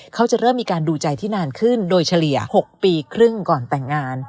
เขาจะเริ่มมีการดูใจที่นานขึ้นโดยเฉลี่ย๖ปีครึ่งก่อนแต่งงาน